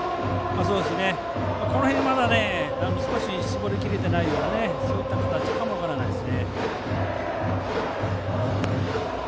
この辺、まだ少し絞りきれてないようなそういった形かも分からないです。